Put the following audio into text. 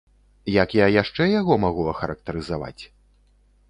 Як я яшчэ яго магу ахарактарызаваць?